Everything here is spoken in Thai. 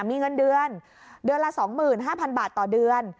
มีเงินเดือนเดือนละ๒๕๐๐๐บาทต่อเดือน